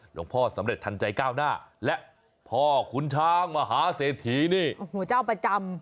สำเร็จทันใจก้าวหน้าและพ่อขุนช้างมหาเศรษฐีนี่โอ้โหเจ้าประจำ